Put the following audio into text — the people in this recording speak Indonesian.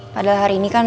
padahal hari ini kan